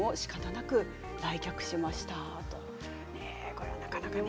これはなかなかね。